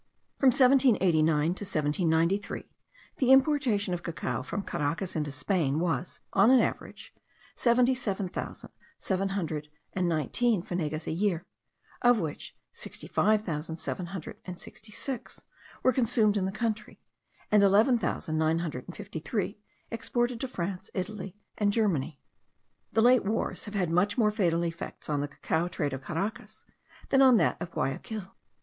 From 1789 to 1793, the importation of cacao from Caracas into Spain was, on an average, seventy seven thousand seven hundred and nineteen fanegas a year, of which sixty five thousand seven hundred and sixty six were consumed in the country, and eleven thousand nine hundred and fifty three exported to France, Italy, and Germany. The late wars have had much more fatal effects on the cacao trade of Caracas than on that of Guayaquil.